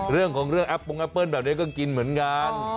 เรื่องของเรื่องแอปปงแอปเปิ้ลแบบนี้ก็กินเหมือนกัน